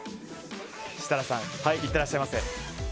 設楽さん、いってらっしゃいませ。